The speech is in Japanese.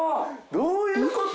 どういうこと？